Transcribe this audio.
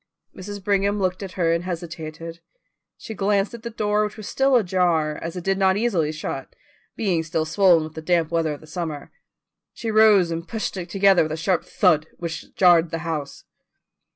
Mrs. Brigham looked at her and hesitated. She glanced at the door, which was still ajar, as it did not easily shut, being still swollen with the damp weather of the summer. She rose and pushed it together with a sharp thud which jarred the house.